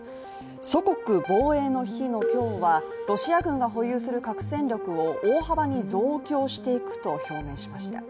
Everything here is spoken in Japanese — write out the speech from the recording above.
祖国防衛の日の今日はロシア軍が保有する核戦力を大幅に増強していくと表明しました。